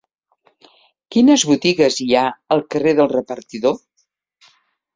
Quines botigues hi ha al carrer del Repartidor?